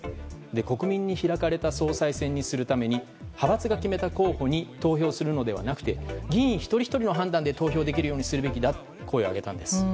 国民に開かれた総裁選にするため派閥が決めた候補に投票するのではなくて議員一人ひとりの判断で投票できるようにするべきだと声を上げたんです。